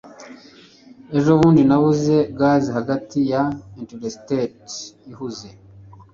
Ejobundi nabuze gaze hagati ya Interstate ihuze.